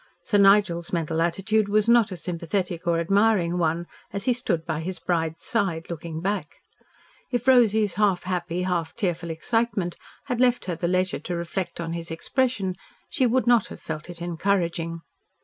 Sir Nigel's mental attitude was not a sympathetic or admiring one as he stood by his bride's side looking back. If Rosy's half happy, half tearful excitement had left her the leisure to reflect on his expression, she would not have felt it encouraging.